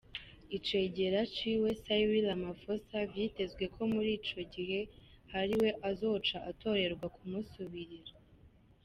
Icegera ciwe, Cyril Ramaphosa, vyitezwe ko muri ico gihe ari we azoca atorerwa kumusubirira.